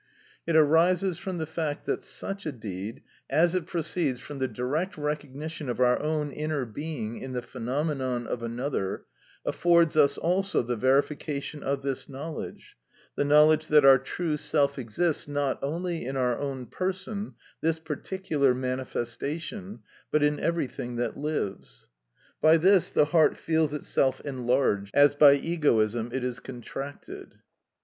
It arises from the fact that such a deed, as it proceeds from the direct recognition of our own inner being in the phenomenon of another, affords us also the verification of this knowledge, the knowledge that our true self exists not only in our own person, this particular manifestation, but in everything that lives. By this the heart feels itself enlarged, as by egoism it is contracted.